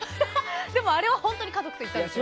あれは本当に家族と行ったんですよ。